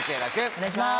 お願いします。